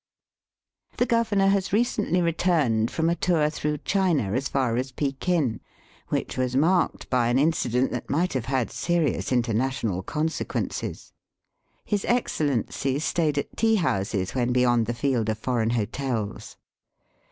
The governor has recently returned from a tour through China as far as Pekin, which was marked by an incident that might have had serious international consequences. His Excellency stayed at tea houses when beyond the field of foreign hotels.